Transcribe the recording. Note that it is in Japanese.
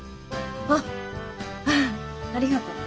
あっありがとう。